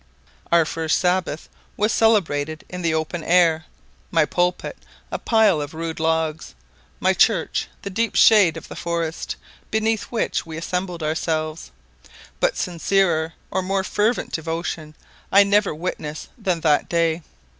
"Our first Sabbath was celebrated in the open air: my pulpit was a pile of rude logs; my church the deep shade of the forest, beneath which we assembled ourselves; but sincerer or more fervent devotion I never witnessed than that day.